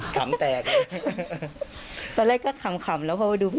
กลุ่มแต่ยิ่มนะเขาว่ากัญชาลำรู้สึกยังไง